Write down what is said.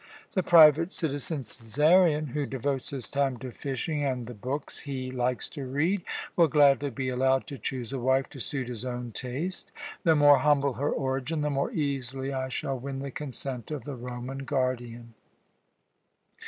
The private citizen Cæsarion, who devotes his time to fishing and the books he likes to read, will gladly be allowed to choose a wife to suit his own taste. The more humble her origin, the more easily I shall win the consent of the Roman guardian."